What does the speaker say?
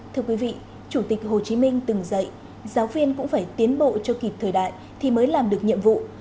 thưa quý vị chủ tịch hồ chí minh từng dạy giáo viên cũng phải tiến bộ cho kịp thời đại thì mới làm được nhiệm vụ